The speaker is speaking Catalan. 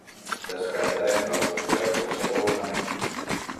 Descartarem per complet qualsevol ornament.